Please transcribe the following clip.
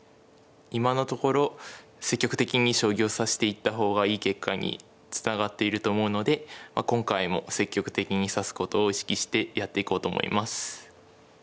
今のところ積極的に将棋を指していった方がいい結果につながっていると思うので今回も積極的に指すことを意識してやっていこうと思います。